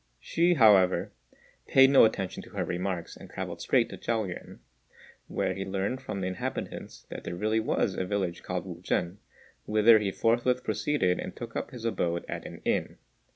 Hsü, however, paid no attention to her remarks, and travelled straight to Chao yüan, where he learned from the inhabitants that there really was a village called Wu chên, whither he forthwith proceeded and took up his abode at an inn.